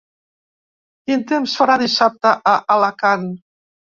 Quin temps farà dissabte a Alacant?